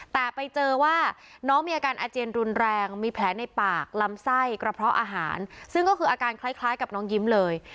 แต่ไปเจอว่าน้องมีอาการอาเจียนรุนแรงมีแผลในปากลำไส้กระเพาะอาหารซึ่งก็คืออาการคล้ายกับน้องยิ้มเลย